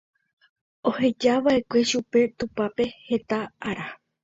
ohejava'ekue chupe tupápe heta ára